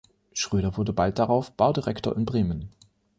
Schröder wurde bald darauf Baudirektor in Bremen.